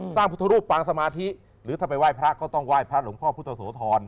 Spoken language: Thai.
พุทธรูปปางสมาธิหรือถ้าไปไหว้พระก็ต้องไหว้พระหลวงพ่อพุทธโสธร